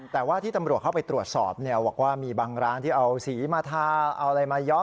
แต่ว่าที่ตำรวจเข้าไปตรวจสอบบอกว่ามีบางร้านที่เอาสีมาทาเอาอะไรมาย้อม